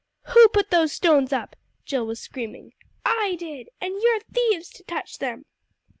"Who put those stones up?" Jill was screaming. "I did, and you're thieves to touch them!"